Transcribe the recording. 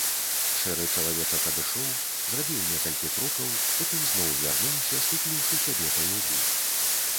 Шэры чалавечак адышоў, зрабіў некалькі крокаў, потым зноў вярнуўся, стукнуўшы сябе па ілбу.